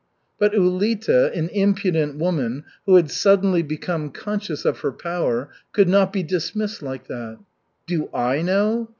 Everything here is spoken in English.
But Ulita, an impudent woman, who had suddenly become conscious of her power, could not be dismissed like that. "Do I know?